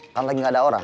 kan lagi tidak ada orang